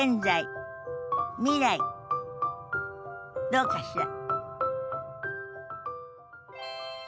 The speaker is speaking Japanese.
どうかしら？